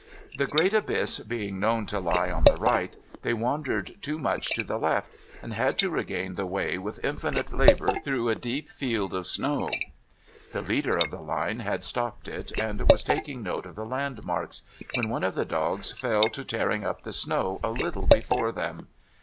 The great abyss being known to lie on the right, they wandered too much to the left, and had to regain the way with infinite labour through a deep field of snow. The leader of the line had stopped it, and was taking note of the landmarks, when one of the dogs fell to tearing up the snow a little before them.